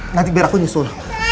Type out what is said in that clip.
nanti biar aku nyusul